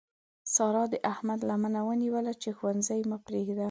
سارا د احمد لمنه ونیوله چې ښوونځی مه پرېږده.